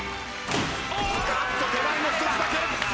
あっと手前の１つだけ。